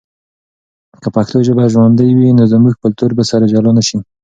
که پښتو ژبه ژوندی وي، نو زموږ کلتور به سره جلا نه سي.